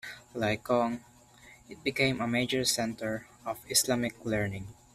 Like Kong, it became a major center of Islamic learning.